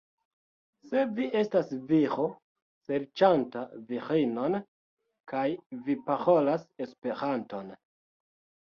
Se vi estas viro serĉanta virinon, kaj vi parolas Esperanton.